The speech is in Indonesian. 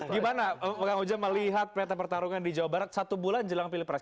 gimana kang ujang melihat peta pertarungan di jawa barat satu bulan jelang pilpres